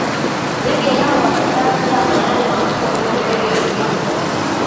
ndege hao wanataga mayai makubwa kuliko ndege wengine